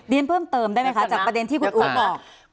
เพิ่มเติมได้ไหมคะจากประเด็นที่คุณอู๋บอก